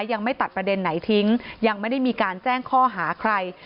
ยังไม่ตัดประเด็นไหนทิ้งยังไม่ได้มีการแจ้งข้อหาใคร